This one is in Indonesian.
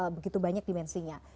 begitu banyak dimensinya